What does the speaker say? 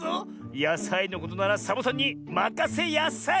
やさいのことならサボさんにまかせやさい！